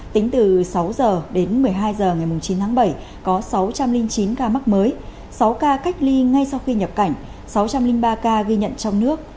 tính từ sáu h đến một mươi hai h ngày chín tháng bảy có sáu trăm linh chín ca mắc mới sáu ca cách ly ngay sau khi nhập cảnh sáu trăm linh ba ca ghi nhận trong nước